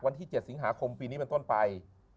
วันที่๗สิงหาคมปีนี้เป็นต้นไป